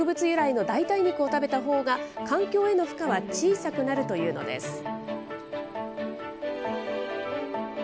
由来の代替肉を食べたほうが環境への負荷が小さくなるというのです。